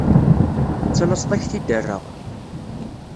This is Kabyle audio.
Tettalaseḍ ad k-t-id-rreɣ.